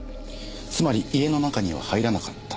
つまり家の中には入らなかった。